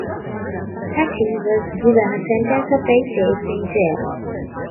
Satie was given a sentence of eight days in jail.